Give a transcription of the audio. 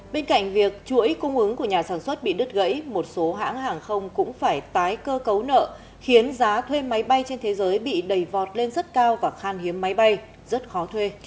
bên cạnh việc chuỗi cung ứng của nhà sản xuất bị đứt gãy một số hãng hàng không cũng phải tái cơ cấu nợ khiến giá thuê máy bay trên thế giới bị đầy vọt lên rất cao và khan hiếm máy bay rất khó thuê